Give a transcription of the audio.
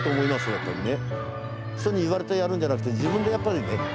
やっぱりね。